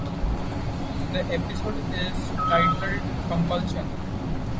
The episode is titled "Compulsion".